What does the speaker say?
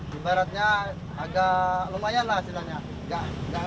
sebaratnya agak lumayan lah hasilnya